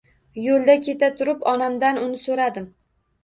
Yo’lda keta turib onamdan uni so’radim.